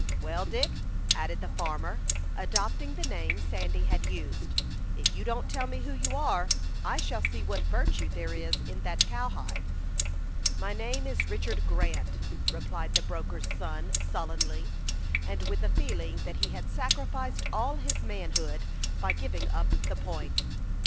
"Well, Dick," added the farmer, adopting the name Sandy had used, "if you don't tell me who you are, I shall see what virtue there is in that cowhide." "My name is Richard Grant," replied the broker's son, sullenly, and with the feeling that he had sacrificed all his manhood by giving up the point.